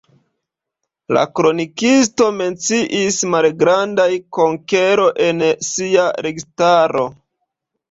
Tiu palearktisa birdo ricevis la sciencan nomon laŭ la itala naturalisto Alberto della Marmora.